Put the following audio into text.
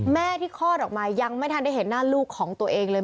แม่ที่คลอดออกมายังไม่ทันได้เห็นหน้าลูกของตัวเองเลย